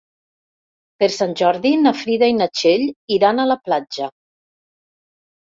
Per Sant Jordi na Frida i na Txell iran a la platja.